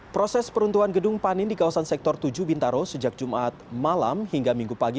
proses peruntuhan gedung panin di kawasan sektor tujuh bintaro sejak jumat malam hingga minggu pagi